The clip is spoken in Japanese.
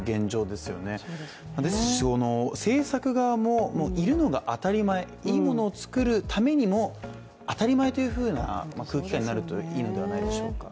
ですし、制作側も、いるのが当たり前いいものを作るためにも当たり前という空気感になるといいんではないでしょうか。